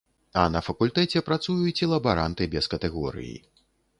А на факультэце працуюць і лабаранты без катэгорыі.